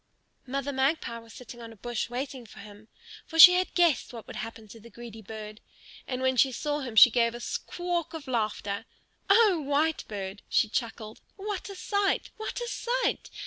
Mother Magpie was sitting on a bush waiting for him, for she had guessed what would happen to the greedy bird. And when she saw him she gave a squawk of laughter. "O Whitebird," she chuckled, "what a sight! what a sight!